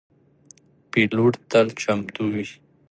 پیلوټ تل چمتو وي.